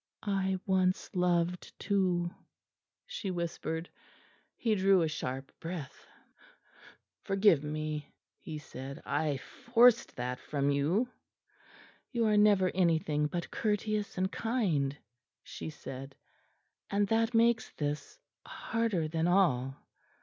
"I once loved too," she whispered. He drew a sharp breath. "Forgive me," he said, "I forced that from you." "You are never anything but courteous and kind," she said, "and that makes this harder than all."